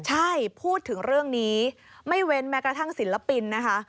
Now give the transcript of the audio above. ใช่พูดถึงเรื่องนี้ไม่เว้นแม้กระทั่งศิลปินนะคะ